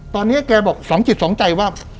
ตอนนี้แกบอกสองจิตสองใจว่า